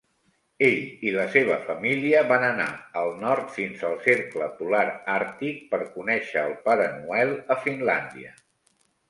Ell i la seva família van anar al nord fins al cercle polar àrtic per conèixer el Pare Noel a Finlàndia.